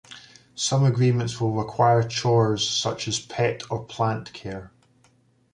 Some agreements will require chores such as pet or plant care.